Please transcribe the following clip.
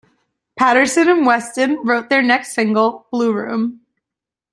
Paterson and Weston wrote their next single, "Blue Room".